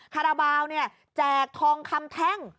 คาราบาลเนี่ยแจกทองคำแท่ง